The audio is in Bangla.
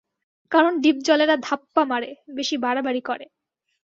কারণ ডিপজলেরা ধাপ্পা মারে, বেশি বাড়াবাড়ি করে।